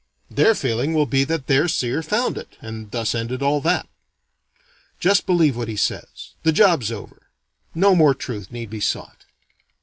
Their feeling will be that their seer found it, and thus ended all that. Just believe what he says. The job's over. No more truth need be sought.